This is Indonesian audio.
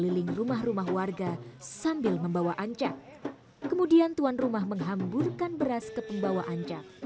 seorang pemuda perlahan memanjat tiang jitun dalam keadaan kerasukan